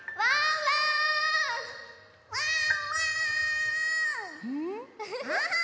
ワンワン